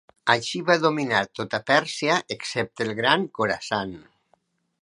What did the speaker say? Així va dominar tota Pèrsia excepte el Gran Khorasan.